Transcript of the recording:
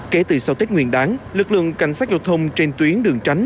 kể từ sau tết nguyên đáng lực lượng cảnh sát giao thông trên tuyến đường tránh